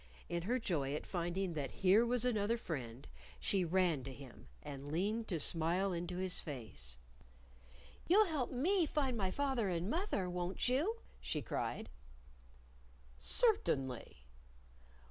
In her joy at finding that here was another friend, she ran to him and leaned to smile into his face. "You'll help me to find my fath er and moth er, won't you?" she cried. "Cer tainly!"